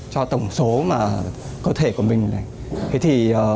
cho tổng số cơ thể của mình